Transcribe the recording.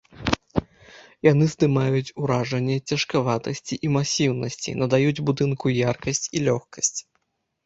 Яны здымаюць уражанне цяжкаватасці і масіўнасці, надаюць будынку яркасць і лёгкасць.